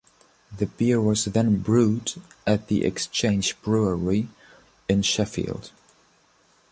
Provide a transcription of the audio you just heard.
The beer was then brewed at the Exchange Brewery in Sheffield.